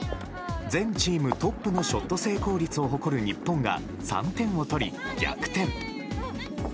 全チームトップのショット成功率を誇る日本が３点を取り逆転。